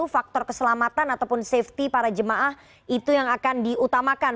faktor keselamatan ataupun safety para jemaah itu yang akan diutamakan